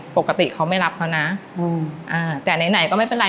ปกติเขาไม่รับเขานะอืมอ่าแต่ไหนไหนก็ไม่เป็นไร